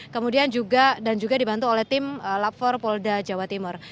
kemudian juga dan juga dibantu oleh tim lab empat polda jawa timur